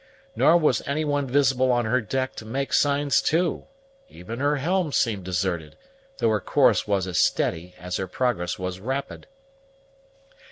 Nor was any one visible on her deck to make signs to; even her helm seemed deserted, though her course was as steady as her progress was rapid.